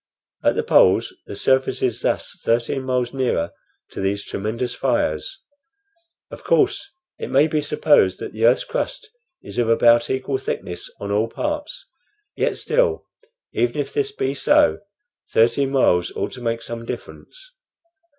At the poles the surface is thus thirteen miles nearer to these tremendous fires. Of course it may be supposed that the earth's crust is of about equal thickness on all parts; yet still, even if this be so, thirteen miles ought to make some difference.